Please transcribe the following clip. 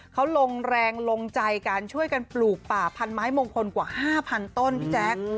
เขาลงแรงลงใจกันช่วยกันปลูกป่าพันไม้มงคลกว่า๕๐๐ต้นพี่แจ๊ค